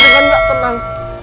dengan gak tenang